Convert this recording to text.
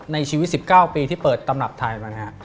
ในชีวิต๑๙ปีที่เปิดตำรับไทยมา